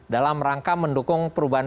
dalam rangka mendukung perubahan